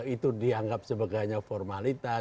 itu dianggap sebagai formalitas